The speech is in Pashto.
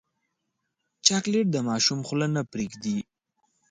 چاکلېټ د ماشوم خوله نه پرېږدي.